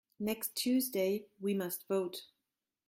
Next Tuesday we must vote.